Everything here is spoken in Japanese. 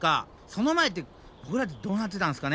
その前ってボクらってどうなってたんですかね？